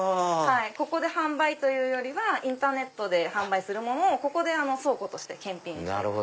ここで販売というよりはインターネットで販売するものをここで倉庫として検品して。